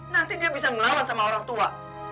nanti dia bisa melawan sama orang tua